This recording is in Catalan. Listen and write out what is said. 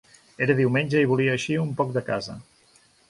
Era diumenge i volia eixir un poc de casa.